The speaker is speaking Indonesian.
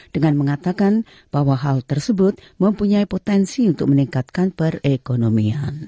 dengan mengatakan bahwa hal tersebut mempunyai potensi untuk meningkatkan perekonomian